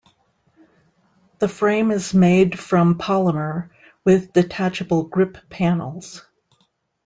The frame is made from polymer, with detachable grip panels.